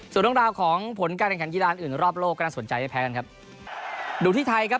ส่วนเรื่องราวของผลการแข่งขันกีฬาอื่นรอบโลกก็น่าสนใจไม่แพ้กันครับดูที่ไทยครับ